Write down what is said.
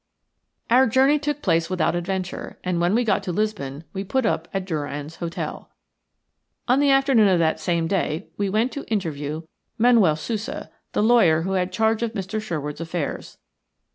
Our journey took place without adventure, and when we got to Lisbon we put up at Durrand's Hotel. On the afternoon of that same day we went to interview Manuel Sousa, the lawyer who had charge of Mr. Sherwood's affairs.